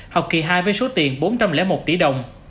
học kỳ hai với số tiền bốn trăm linh một tỷ đồng